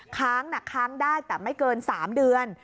ค้างได้แต่ไม่เกิน๓เดือน